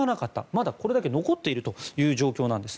まだこれだけ残っている状況なんです。